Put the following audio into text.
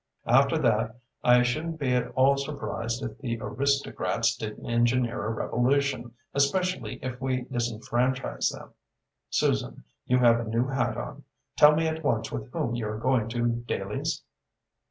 After that, I shouldn't be at all surprised if the aristocrats didn't engineer a revolution, especially if we disenfranchise them. Susan, you have a new hat on. Tell me at once with whom you are going to Daly's?"